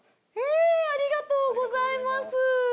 ありがとうございます。